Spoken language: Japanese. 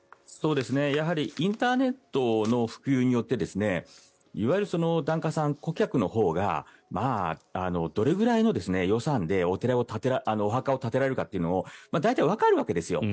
やはりインターネットの普及によっていわゆる檀家さん、顧客のほうがどれぐらいの予算でお墓を建てられるかというのを大体わかるわけですよ。